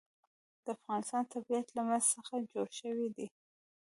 د افغانستان طبیعت له مس څخه جوړ شوی دی.